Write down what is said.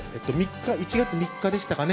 １月３日でしたかね